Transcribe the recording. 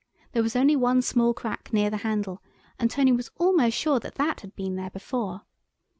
There was only one small crack near the handle, and Tony was almost sure that that had been there before.